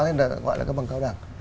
thì gọi là bằng cao đẳng